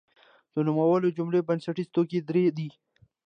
د نوموالي جملې بنسټیز توکي درې دي.